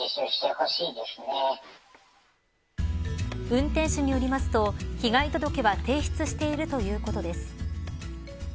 運転手によりますと、被害届は提出しているということです。